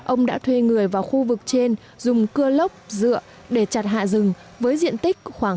ông đã thuê người vào khu vực trên dùng cưa lốc dựa để chặt hạ rừng với diện tích khoảng